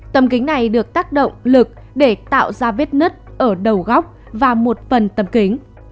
tầm kính này được tác động lực để tạo ra vết nứt ở đầu góc và một phần tầm kính